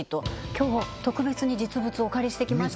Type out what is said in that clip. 今日特別に実物お借りしてきました